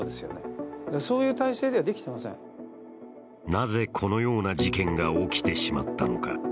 なぜこのような事件が起きてしまったのか。